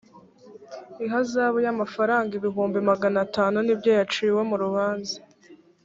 ihazabu y’amafaranga ibihumbi magana atanu nibyo yaciwe mu rubanza